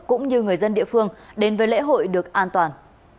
cũng như người dân địa phương đến với lễ hội được an toàn